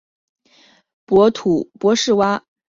博士蛙国际自此一直因核数问题被停牌。